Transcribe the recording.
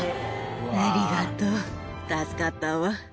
ありがとう、助かったわ。